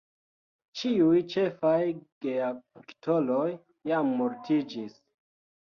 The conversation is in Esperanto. Ĉiuj ĉefaj geaktoroj jam mortiĝis.